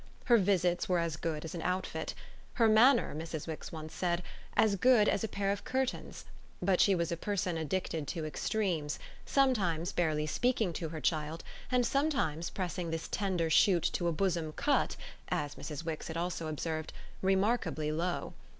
Her visits were as good as an outfit; her manner, as Mrs. Wix once said, as good as a pair of curtains; but she was a person addicted to extremes sometimes barely speaking to her child and sometimes pressing this tender shoot to a bosom cut, as Mrs. Wix had also observed, remarkably low.